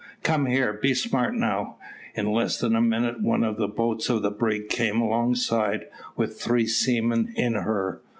"Come here; be smart now." In less than a minute one of the boats of the brig came alongside with three seamen in her.